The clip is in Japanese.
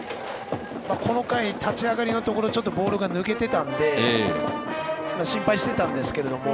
この回立ち上がりのところボールが抜けていたので心配していたんですけども。